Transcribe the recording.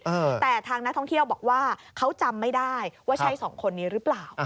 แต่ทางนักท่องเที่ยวบอกว่าเขาจำไม่ได้ว่าใช่สองคนนี้หรือเปล่า